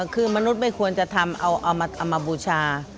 คือมนุษย์ไม่ควรจะทำเอามาบูชา